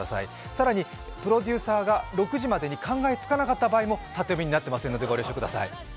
更にプロデューサーが６時までに考えつかなかった場合も縦読みになっていませんので、ご了承ください。